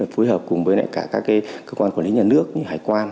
phối hợp cùng với các cơ quan quản lý nhà nước như hải quan